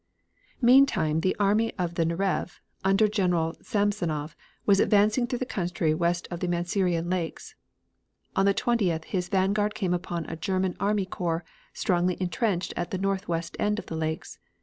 Meantime, the Army of the Narev, under General Samsonov, was advancing through the country west of the Masurian Lakes. On the 20th his vanguard came upon a German army corps, strongly entrenched at the northwest end of the lakes.